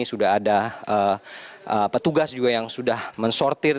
sudah ada petugas juga yang sudah mensortir